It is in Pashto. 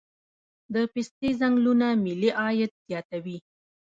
د پستې ځنګلونه ملي عاید زیاتوي